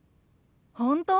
本当？